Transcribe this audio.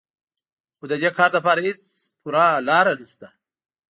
خو د دې کار لپاره هېڅ پوره لاره نهشته